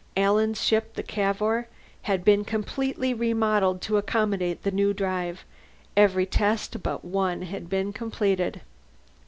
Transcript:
Alan's ship, the Cavour, had been completely remodeled to accommodate the new drive; every test but one had been completed.